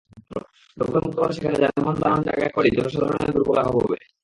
দখলমুক্ত করে সেখানে যানবাহন দাঁড়ানোর জায়গা করলেই জনসাধারণের দুর্ভোগ লাঘব হবে।